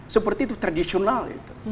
seperti itu tradisional